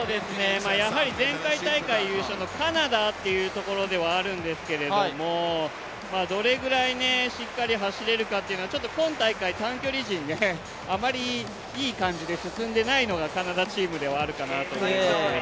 前回大会優勝のカナダというところではあるんですけどどれぐらいしっかり走れるかっていうのは今大会、短距離陣、あんまりいい感じで進んでいないのがカナダチームであるかなと思います。